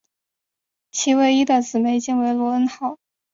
其唯一的姊妹舰为罗恩号。